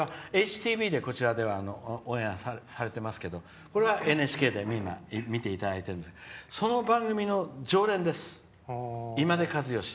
ＨＴＢで、こちらではオンエアされてますけどこれはＮＨＫでみんな見ていただいててその番組の常連です。